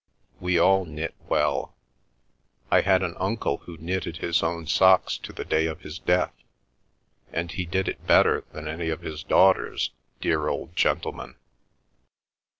We all knit well. I had an uncle who knitted his own socks to the day of his death—and he did it better than any of his daughters, dear old gentleman.